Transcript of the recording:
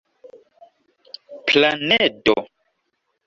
planedo